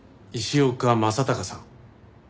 石岡正隆さん。